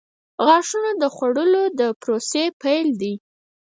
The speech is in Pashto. • غاښونه د خوړلو د پروسې پیل دی.